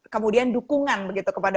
kemudian dukungan begitu kepada